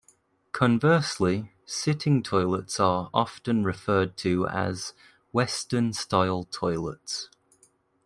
Conversely, sitting toilets are often referred to as "western-style toilets".